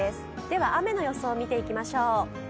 では、雨の予想を見ていきましょう。